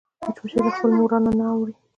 مچمچۍ له خپل مورال نه نه اوړي